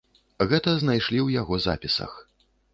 Гэта знайшлі ў яго запісах.